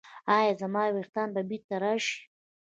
ایا زما ویښتان به بیرته راشي؟